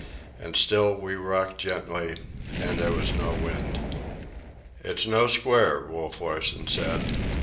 And still we rocked gently, and there was no wind. "It's no squall," Wolf Larsen said.